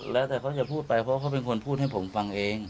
แล้วแต่เขาจะพูดไปเพราะเขาเป็นคนพูดให้ผมฟังเอง